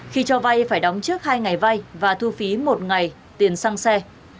khi cho vay phải đóng trước hai ngày vay và thu phí một ngày tiền xăng xe